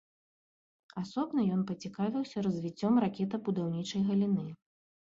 Асобна ён пацікавіўся развіццём ракетабудаўнічай галіны.